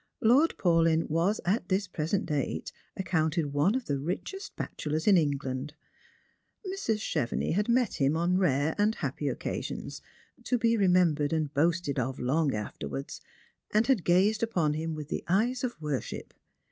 Lord Paulyn was, at this resent date, accounted one of the richest bachelors in England, rlrs. Chevenix had met him on rare and happy occasions, to he remembered and boasted of long afterwards, aud had gazed upon him with the eyes of worship.